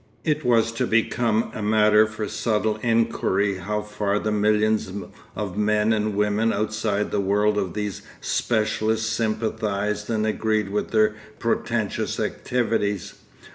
It was to become a matter for subtle inquiry how far the millions of men and women outside the world of these specialists sympathised and agreed with their portentous activities.